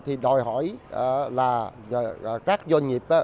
thì đòi hỏi là các doanh nghiệp